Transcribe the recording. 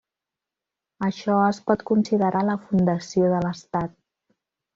Això es pot considerar la fundació de l'estat.